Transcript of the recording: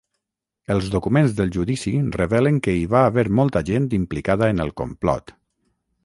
Els documents del judici revelen que hi va haver molta gent implicada en el complot.